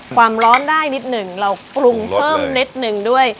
ความร้อนได้นิดหนึ่งเราปรุงเพิ่มนิดนึงด้วย